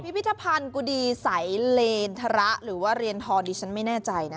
พิธภัณฑ์กุดีใสเลนทระหรือว่าเรียนทรดิฉันไม่แน่ใจนะ